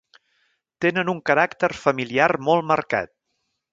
Tenen un caràcter familiar molt marcat.